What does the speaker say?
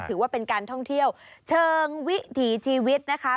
ถือว่าเป็นการท่องเที่ยวเชิงวิถีชีวิตนะคะ